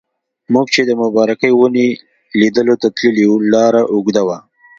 موږ چې د مبارکې ونې لیدلو ته تللي وو لاره اوږده وه.